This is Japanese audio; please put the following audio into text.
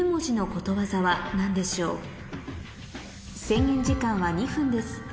制限時間は２分です